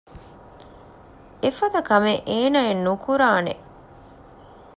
އެފަދަ ކަމެއް އޭނާއެއް ނުކުރާނެ